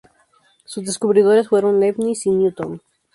Sus descubridores fueron Leibniz y Newton.